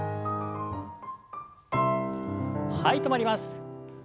はい止まります。